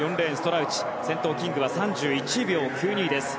先頭のキングは３１秒９２です。